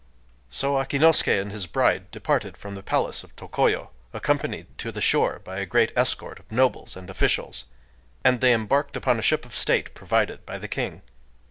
So Akinosuké and his bride departed from the palace of Tokoyo, accompanied to the shore by a great escort of nobles and officials; and they embarked upon a ship of state provided by the king.